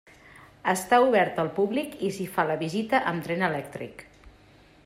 Està oberta al públic, i s'hi fa la visita amb tren elèctric.